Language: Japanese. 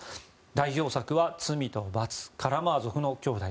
代表作は「罪と罰」「カラマーゾフの兄弟」